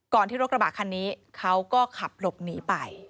ที่รถกระบะคันนี้เขาก็ขับหลบหนีไป